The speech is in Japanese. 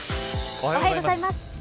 おはようございます。